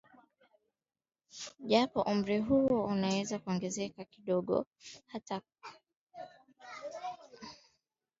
Japo umri huo unaweza kuogezeka kidogo kama atakuwa chini ya uangalizi au kama anafugwa